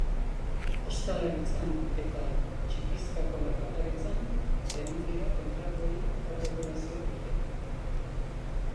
Ostalaritzan eta txikizkako merkataritzan eman dira kontratuen erregulazio gehienak.